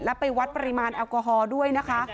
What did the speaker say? และไปวัดปริมาณแอลกอฮอล์ด้วยนะคะ